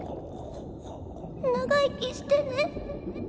長生きしてね。